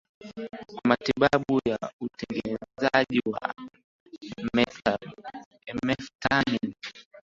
kwa matibabu ya utegemeaji wa methamfetamini